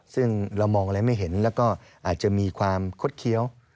ซึ่งเรามองอะไรไม่เห็นแล้วก็อาจจะมีความคดเคี้ยว